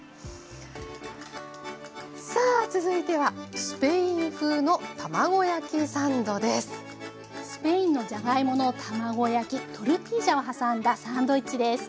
さあ続いてはスペインのじゃがいもの卵焼きトルティージャを挟んだサンドイッチです。